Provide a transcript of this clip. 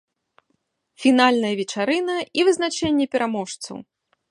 Фінальная вечарына і вызначэнне пераможцаў.